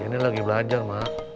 ini lagi belajar mak